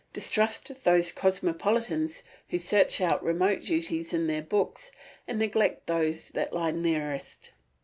Distrust those cosmopolitans who search out remote duties in their books and neglect those that lie nearest.